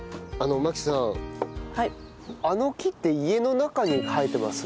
あの木って家の中に生えてます？